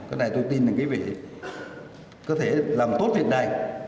cái này tôi tin rằng quý vị có thể làm tốt việc này